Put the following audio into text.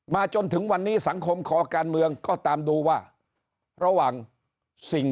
จนถึงวันนี้สังคมคอการเมืองก็ตามดูว่าระหว่างสิ่ง